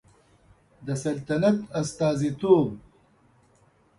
د سلطنت استازیتوب